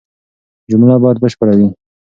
جمله بايد بشپړه وي.